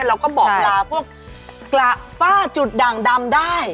เราก็บอกลาพวกกระฝ้าจุดด่างดำได้